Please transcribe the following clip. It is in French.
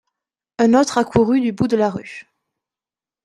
Un autre accourut du bout de la rue.